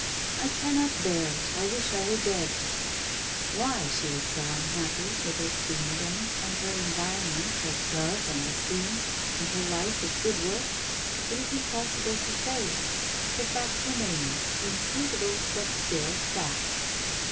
"I cannot bear it. I wish I were dead." Why she was so unhappy, with her Queendom and her environment of love and esteem, and her life of good works, it is impossible to say. The fact remains, inscrutable, but still fact.